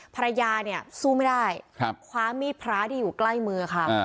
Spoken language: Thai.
ภรรยาเนี่ยสู้ไม่ได้คว้ามีดพระที่อยู่ใกล้มือค่ะ